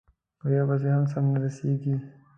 په یوه پسې هم سم نه رسېږي،